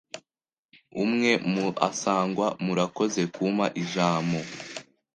Umwe mu asangwa: Murakoze kumpa ijamo